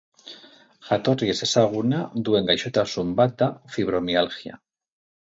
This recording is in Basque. Jatorri ezezaguna duen gaixotasun bat da fibromialgia.